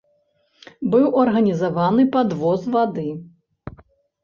Быў арганізаваны падвоз вады.